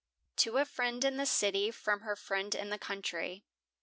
TO A FRIEND IN THE CITY, FROM HER FRIEND IN THE COUNTRY.